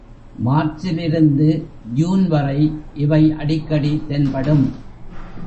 மார்ச்சிலிருந்து June வரை இவை அடிக்கடி தென்படும்.